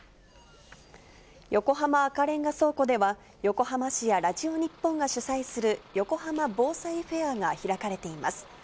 横浜赤レンガ倉庫では、横浜市やラジオ日本が主催する横浜防災フェアが開かれています。